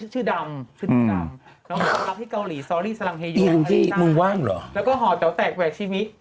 ชื่อดำรับที่เกาหลีซอรี่สลังเฮโยอารินาแล้วก็ห่อเจ๋วแตกแหวกชีวิต